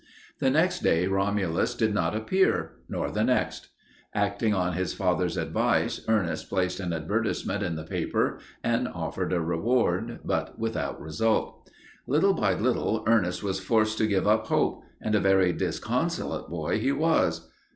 The next day Romulus did not appear, nor the next. Acting on his father's advice, Ernest placed an advertisement in the paper and offered a reward, but without result. Little by little Ernest was forced to give up hope, and a very disconsolate boy he was.